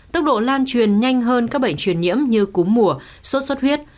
tốc độ lan truyền nhanh hơn các bệnh truyền nhiễm như cúm mùa sốt xuất huyết